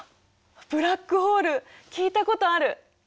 ブラックホール聞いたことある。